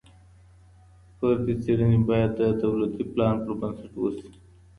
فردي څېړني باید د دولتي پلان پر بنسټ وسي.